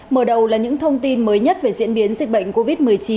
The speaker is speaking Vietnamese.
mở đầu là những thông tin mới nhất về diễn biến dịch bệnh covid một mươi chín